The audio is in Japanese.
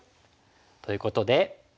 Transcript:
ということで。